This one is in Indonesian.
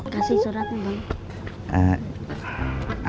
kasih surat dulu